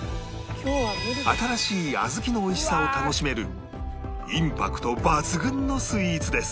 新しい小豆のおいしさを楽しめるインパクト抜群のスイーツです